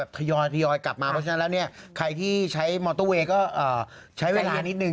ใช่กลับมากรสเทียยร์ถ้าใครใช่ม็อเตอร์เวยมากต้องใช้เวลานิดหนึ่ง